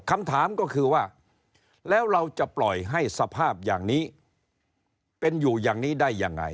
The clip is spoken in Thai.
คำถามก็คือว่าแล้วเราจะปล่อยให้สภาพอย่างนี้เป็นอยู่อย่างนี้ได้ยังไง